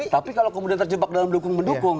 tapi kalau kemudian terjebak dalam dukung mendukung